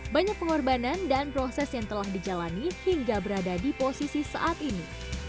banyak pengorbanan dan proses yang telah dijalani hingga berada di posisi saat ini